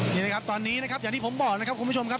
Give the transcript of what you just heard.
นี่นะครับตอนนี้นะครับอย่างที่ผมบอกนะครับคุณผู้ชมครับ